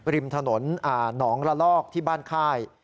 ริมถนนหนองละลอกที่บ้านค่าย